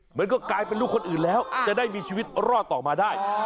เหมือนก็กลายเป็นลูกคนอื่นแล้วจะได้มีชีวิตรอดต่อมาได้